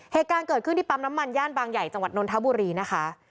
เหตุการณ์เกิดขึ้นที่ปั๊มน้ำมันย่านบางใหญ่จังหวัดนนทบุรีนะคะ